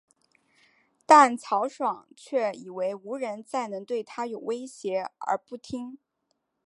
但曹爽却以为无人再能对他有威胁而不听。